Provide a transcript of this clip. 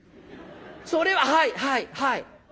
それははいはいはい。